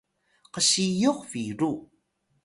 ksiyux biru